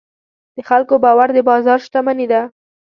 د خلکو باور د بازار شتمني ده.